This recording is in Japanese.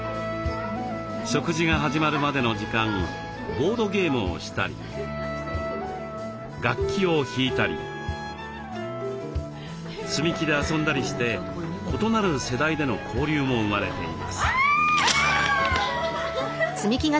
食事が始まるまでの時間ボードゲームをしたり楽器を弾いたり積み木で遊んだりして異なる世代での交流も生まれています。